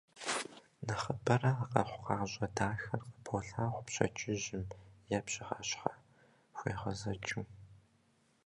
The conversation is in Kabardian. Нэхъыбэрэ а къэхъукъащӏэ дахэр къыболъагъу пщэдджыжьым е пщыхьэщхьэхуегъэзэкӏыу.